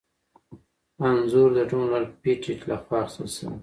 انځور د ډونلډ پېټټ لخوا اخیستل شوی.